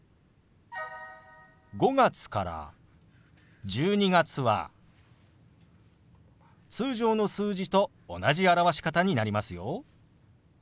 ５月から１２月は通常の数字と同じ表し方になりますよ。